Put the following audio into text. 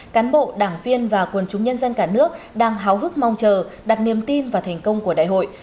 cán bộ đảng viên và quần chúng nhân dân cả nước đang háo hức mong chờ đặt niềm tin và thành công của đại hội